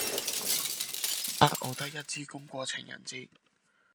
你就好啦！我得一支公過情人節